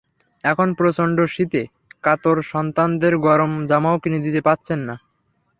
এখন প্রচণ্ড শীতে কাতর সন্তানদের গরম জামাও কিনে দিতে পারছেন না।